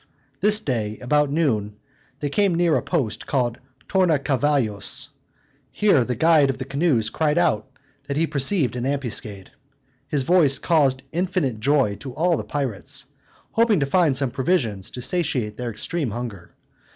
This day, about noon, they came near a post called Torna Cavallos: here the guide of the canoes cried out, that he perceived an ambuscade. His voice caused infinite joy to all the pirates, hoping to find some provisions to satiate their extreme hunger.